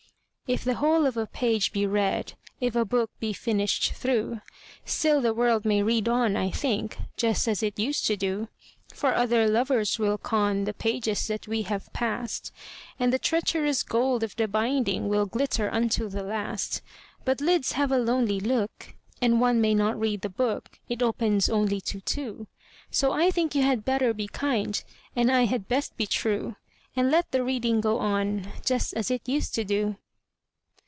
II. If the whole of a page be read, If a book be finished through, Still the world may read on, I think, Just as it used to do; For other lovers will con The pages that we have passed, And the treacherous gold of the binding Will glitter unto the last. But lids have a lonely look, And one may not read the book It opens only to two; So I think you had better be kind, And I had best be true, And let the reading go on, Just as it used to do.